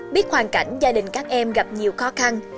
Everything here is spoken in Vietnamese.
biết hoàn cảnh gia đình các em gặp nhiều khó khăn